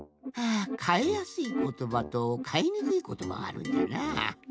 かえやすいことばとかえにくいことばがあるんじゃな。